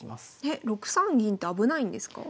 えっ６三銀って危ないんですか？